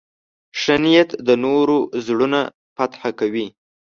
ښه نیت د نورو زړونه فتح کوي.